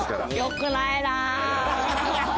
良くないな！